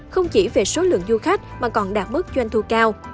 không chỉ về số lượng du khách mà còn đạt mức doanh thu cao